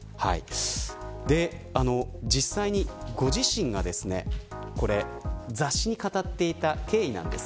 実際に、ご自身が雑誌に語っていた経緯です。